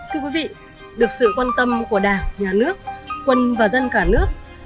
thưa quý vị được sự quan tâm của đảng nhà nước quân và dân cả nước